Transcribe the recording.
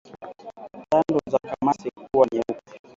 Tando za kamasi kuwa nyeupe